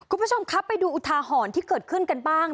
คุณผู้ชมครับไปดูอุทาหรณ์ที่เกิดขึ้นกันบ้าง